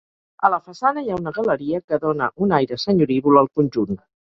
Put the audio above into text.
A la façana hi ha una galeria que dóna un aire senyorívol al conjunt.